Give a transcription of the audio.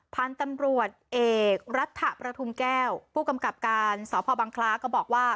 พันธุ์ตำรวจเอกรัฐประทุมแก้วผู้กำกับการสพบังคล้าก็บอกว่า